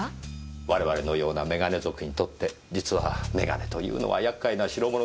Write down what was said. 我々のような眼鏡族にとって実は眼鏡というのは厄介な代物です。